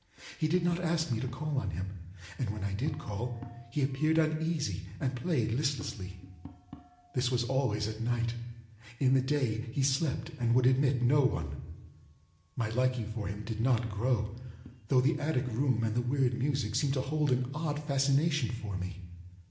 He did not ask me to call on him, and when I did call he appeared uneasy and played listlessly. This was always at night—in the day he slept and would admit no one. My liking for him did not grow, though the attic room and the weird music seemed to hold an odd fascination for me.